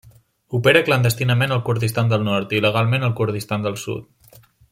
Opera clandestinament al Kurdistan del Nord i legalment al Kurdistan del Sud.